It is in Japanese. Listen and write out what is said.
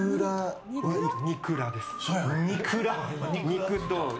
にくらです。